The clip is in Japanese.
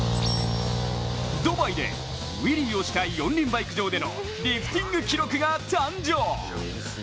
ドバイでウィリーをした４輪バイク上でのリフティング記録が誕生。